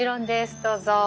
どうぞ。